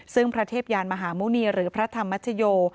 ซึ่งพระเทพยานมหาหมุณีหรือพระธรรมชโย